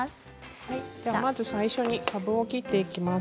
最初にかぶを切っていきます。